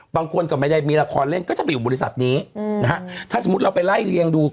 บางคนก็ไม่ได้มีละครเล่นก็จะไปอยู่บริษัทนี้นะฮะถ้าสมมุติเราไปไล่เรียงดู